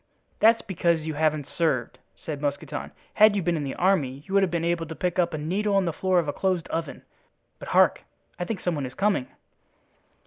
"That's because you haven't served," said Mousqueton. "Had you been in the army you would have been able to pick up a needle on the floor of a closed oven. But hark! I think some one is coming."